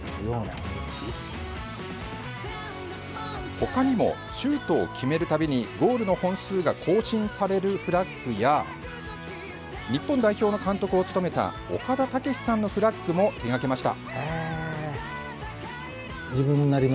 他にもシュートを決める度にゴールの本数が更新されるフラッグや日本代表の監督を務めた岡田武史さんのフラッグも手がけました。